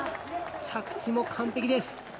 着地も完璧です。